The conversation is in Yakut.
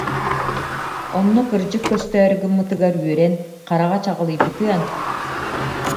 Онно кырдьык көстөөрү гыммытыгар үөрэн, хараҕа чаҕылыйбытыан